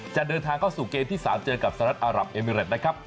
จะเดินทางเข้าสู่เกมที่๓เจอกับสหรัฐอารับเอมิเรตนะครับ